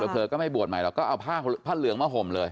เผลอก็ไม่บวชใหม่หรอกก็เอาผ้าเหลืองมาห่มเลย